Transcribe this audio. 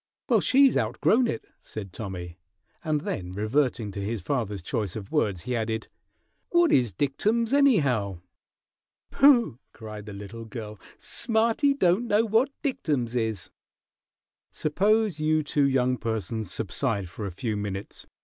"Well, she's outgrown it," said Tommy; and then reverting to his father's choice of words, he added, "What is dictums, anyhow?" "Pooh!" cried the little girl. "Smarty don't know what dictums is!" "Suppose you two young persons subside for a few minutes!"